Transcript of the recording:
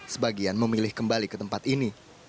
sebagian memilih kembali ke tempat ini